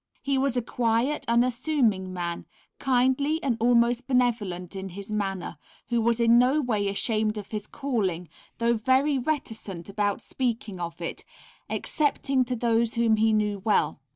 He was a quiet, unassuming man, kindly and almost benevolent in his manner, who was in no way ashamed of his calling, though very reticent about speaking of it, excepting to those whom he knew well.